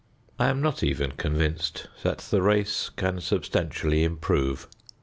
I am not even convinced that the race can substantially improve.